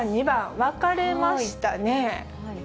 分かれましたね。